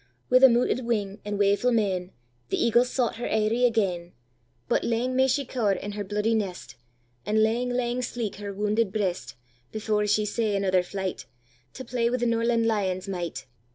With a mooted wing and waefu' maen, The eagle sought her eiry again; But lang may she cower in her bloody nest, And lang, lang sleek her wounded breast, Before she sey another flight, To play wi' the norland lion's might.